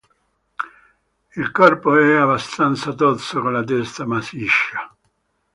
Il corpo è abbastanza tozzo, con la testa massiccia.